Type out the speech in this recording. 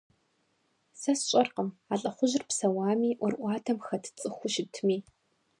Сэ сщӀэркъым, а лӀыхъужьыр псэуами ӀуэрыӀуатэм хэт цӀыхуу щытми.